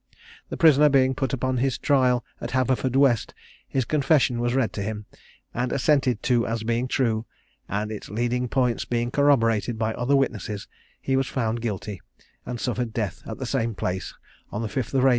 The prisoner being put upon his trial at Haverfordwest, his confession was read to him, and assented to as being true; and its leading points being corroborated by other witnesses, he was found guilty, and suffered death at the same place on 5th April, 1779.